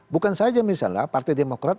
bukan saja misalnya partai demokrat